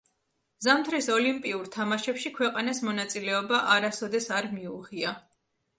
ზამთრის ოლიმპიურ თამაშებში ქვეყანას მონაწილეობა არასოდეს არ მიუღია.